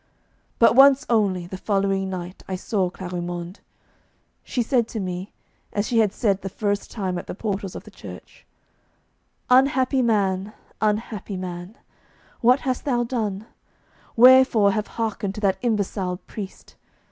But once only, the following night, I saw Clarimonde. She said to me, as she had said the first time at the portals of the church: 'Unhappy man! Unhappy man! What hast thou done? Wherefore have hearkened to that imbecile priest?